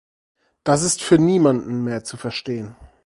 Das ist für niemanden mehr zu verstehen.